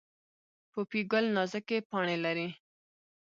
پوپی ګل نازکې پاڼې لري